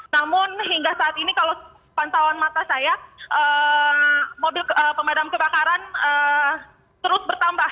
namun hingga saat ini kalau pantauan mata saya mobil pemadam kebakaran terus bertambah